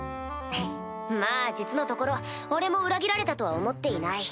まぁ実のところ俺も裏切られたとは思っていない。